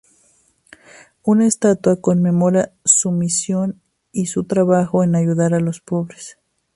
Una estatua conmemora su misión y su trabajo en ayudar a los pobres.